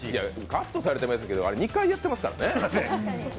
カットされてましたけどあれ２回やってますからね。